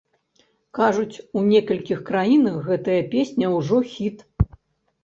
Кажуць, у некалькіх краінах гэтая песня ўжо хіт.